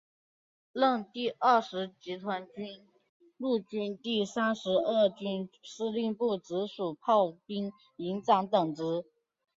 任第二十集团军陆军第三十二军司令部直属炮兵营营长等职。